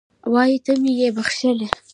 وایي ته مې یې بښلی